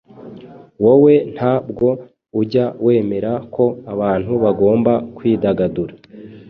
wowe nta bwo ujya wemera ko abantu bagomba kwidagadura.”